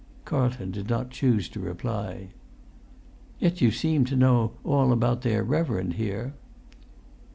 Carlton did not choose to reply. "Yet you seemed to know all about their reverend here!"